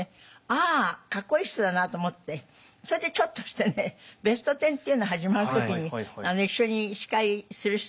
あかっこいい人だなと思ってそれでちょっとしてね「ベストテン」っていうの始まる時に一緒に司会する人